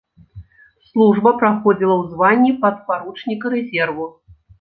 Служба праходзіла ў званні падпаручніка рэзерву.